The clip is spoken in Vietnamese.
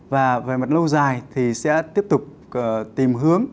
và về mặt lâu dài thì sẽ tiếp tục tìm hướng